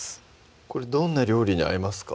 これどんな料理に合いますか？